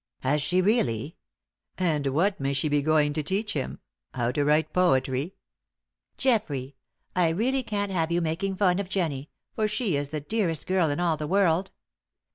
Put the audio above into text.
"Has she really? And what may she be going to teach him how to write poetry?" "Geoffrey, I really can't have you making fun of Jennie, for she is the dearest girl in all the world.